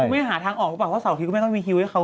ไม่หาทางออกก็บอกว่าสำหรับที่ก็ไม่ต้องมีฮิวให้เขา